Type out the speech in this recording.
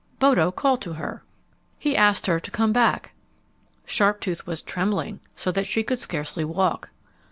Bodo called to her. He asked her to come back. Sharptooth was trembling, so that she could scarcely walk.